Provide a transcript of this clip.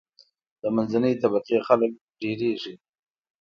د منځنۍ طبقی خلک ډیریږي.